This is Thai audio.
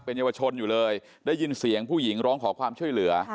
เยาวชนอยู่เลยได้ยินเสียงผู้หญิงร้องขอความช่วยเหลือ